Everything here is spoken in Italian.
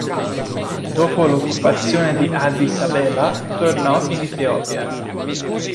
Dopo l'occupazione di Addis Abeba tornò in Etiopia.